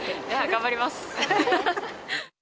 頑張ります。